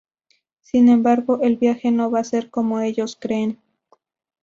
Sin embargo, el viaje no va a ser como ellos creen.